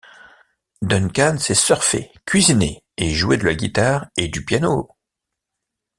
Duncan sait surfer, cuisiner et jouer de la guitare et du piano.